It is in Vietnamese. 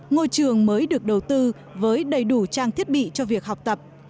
ngôi trường mới được đầu tư với đầy đủ trang thiết bị cho việc học tập